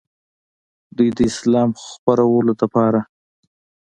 دوي د اسلام خورولو دپاره